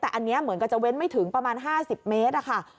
แต่อันนี้เหมือนกับจะเว้นไม่ถึงประมาณ๕๐เมตรค่ะ